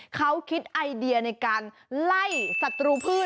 เขาคิดไอเดียในการไล่สัตรูพืช